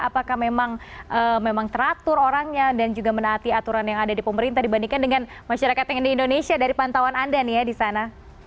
apakah memang teratur orangnya dan juga menaati aturan yang ada di pemerintah dibandingkan dengan masyarakat yang di indonesia dari pantauan anda nih ya di sana